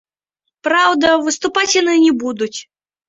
Праўда, выступаць яны не будуць.